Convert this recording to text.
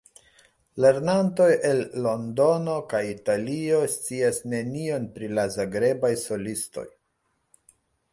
Lernantoj el Londono kaj Italio scias nenion pri la Zagrebaj solistoj.